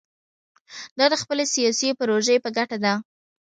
دا د خپلې سیاسي پروژې په ګټه ده.